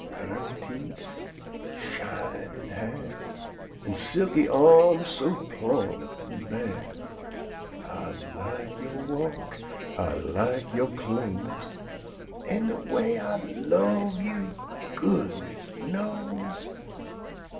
Pearly teef, an' shinin' hair, An' silky arm so plump an' bare! Ah lak yo' walk, Ah lak yo' clothes, An' de way Ah love you, goodness knows!